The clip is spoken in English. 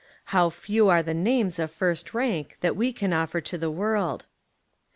How few are the names of first rank that we can offer to the world.